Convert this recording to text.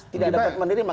tidak dapat menerima